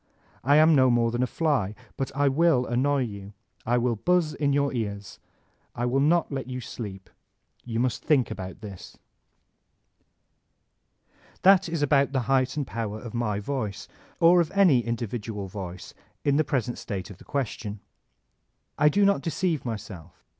I am no more than a fly; but I will annoy jrou, I will buxs in your cars; I will not let you sleep. You nnist think about 176 VoLTAIftXNE DB CLEYRE That is about the height and power of my voicey or of any individual voice, in the present state of the question. I do not deceive myself.